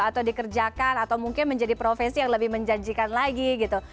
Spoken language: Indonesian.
atau dikerjakan atau mungkin menjadi profesi yang lebih menjanjikan lagi gitu